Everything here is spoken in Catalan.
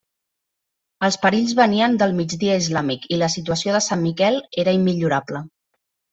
Els perills venien del migdia islàmic i la situació de Sant Miquel era immillorable.